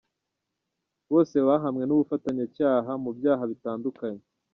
Bose bahamwe n’ubufatanyacyaha mu byaha bitandukanye.